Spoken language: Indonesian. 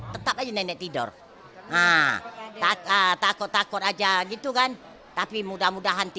tapi nenek tidak takut betul lah